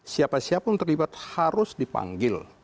siapa siapun terlibat harus dipanggil